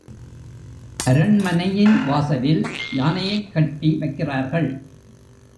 அரண்மனையின் வாசலில் யானையைக் கட்டி வைக்கி றார்கள்.